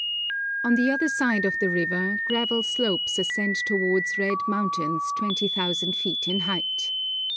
On the other side of the river gravel slopes ascend towards red mountains 20,000 feet in height.